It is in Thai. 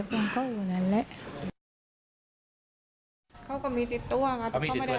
แต่เขาไม่กลัวชุนโปร่ง